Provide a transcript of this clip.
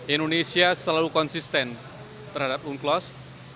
indonesia selalu konsisten terhadap unclos